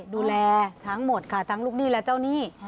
ดูแลทั้งหมดค่ะทั้งลูกหนี้และเจ้าหนี้